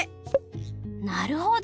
なるほど！